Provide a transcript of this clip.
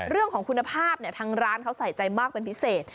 เรื่องของคุณภาพทางร้านเขาใส่ใจมากเป็นพิเศษ